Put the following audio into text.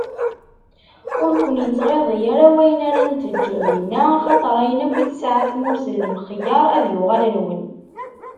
Ur ken-ittɣiḍi ara wayen ara n-teǧǧem dinna, axaṭer ayen akk i tesɛa tmurt d lemxeyyeṛ, ad yuɣal nwen.